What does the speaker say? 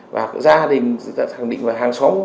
và gia đình khẳng định là hàng xóm